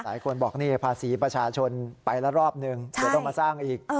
หลายคนบอกนี่ภาษีประชาชนไปละรอบหนึ่งเดี๋ยวต้องมาสร้างอีก